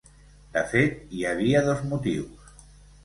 De fet, hi havia dos motius.